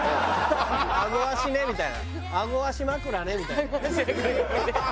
「あごあしね」みたいな「あごあしまくらね」みたいな。